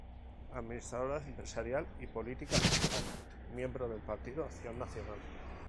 Administradora, empresaria y política mexicana, miembro del Partido Acción Nacional.